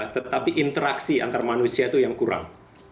tetapi interaksi antar manusia itu yang kurang